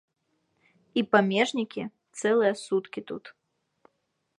І памежнікі цэлыя суткі тут.